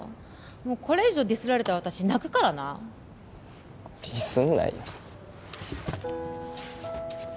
もうこれ以上ディスられたら私泣くからなディスんないよ